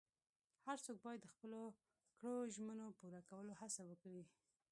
هر څوک باید د خپلو کړو ژمنو پوره کولو هڅه وکړي.